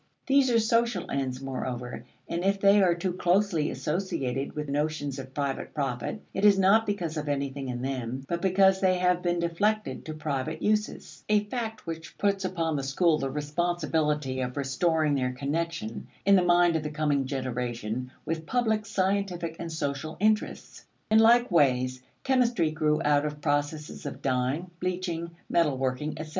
These are social ends, moreover, and if they are too closely associated with notions of private profit, it is not because of anything in them, but because they have been deflected to private uses: a fact which puts upon the school the responsibility of restoring their connection, in the mind of the coming generation, with public scientific and social interests. In like ways, chemistry grew out of processes of dying, bleaching, metal working, etc.